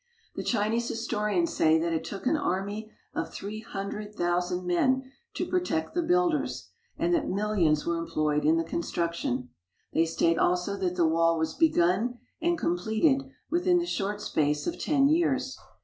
The Chinese historians say that it took an army of three hundred thousand men to protect the builders, and that millions were employed in the construction. They state also that th.e wall was begun and completed within the short space of ten years.